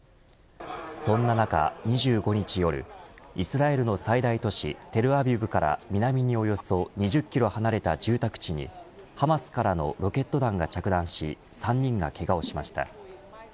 そんな中、２５日夜イスラエルの最大都市テルアビブから南におよそ２０キロ離れた住宅地にハマスからのロケット弾が着弾し３人がけがをしました。